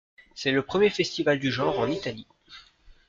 C'est le premier festival du genre en Italie.